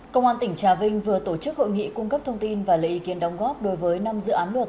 công an tỉnh trà vinh vừa tổ chức hội nghị cung cấp thông tin và lấy ý kiến đóng góp đối với năm dự án luật